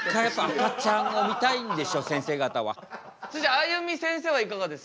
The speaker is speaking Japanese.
あゆみせんせいはいかがですか？